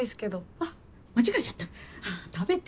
あっ間違えちゃった食べて。